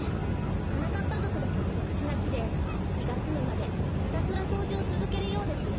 はなかっぱぞくだけのとくしゅなきできがすむまでひたすらそうじをつづけるようですよ。